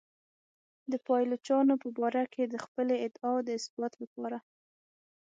د پایلوچانو په باره کې د خپلې ادعا د اثبات لپاره.